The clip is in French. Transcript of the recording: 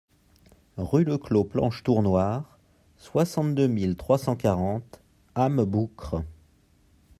Rue Le Clos Planche Tournoire, soixante-deux mille trois cent quarante Hames-Boucres